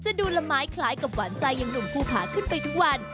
ดูละไม้คล้ายกับหวานใจอย่างหนุ่มภูผาขึ้นไปทุกวัน